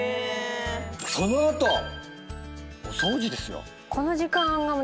その後お掃除ですよ。